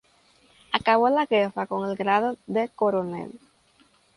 Acabó la guerra con el grado de coronel.